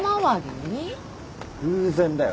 偶然だよ。